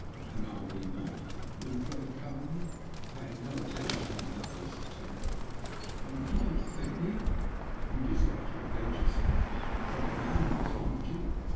" And are we not ?" he replied calmly, paying no attention to my outburst of temper. *' I am inclined to think we are. Tou desire to revenge yourself upon a man who has wronged you.